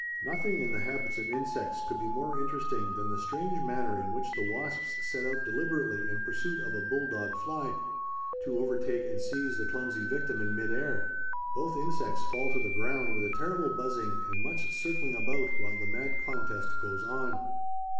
Nothing in the habits of insects could be more interesting than the strange manner in which the wasps set out deliberately in pursuit of a bull dog fly, to overtake and seize the clumsy victim in mid air. Both insects fall to the ground with a terrible buzzing and much circling about while the mad contest goes on.